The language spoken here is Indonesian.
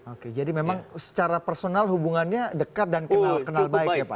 oke jadi memang secara personal hubungannya dekat dan kenal baik ya pak